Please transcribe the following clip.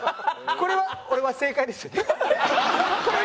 これは僕正解ですよね？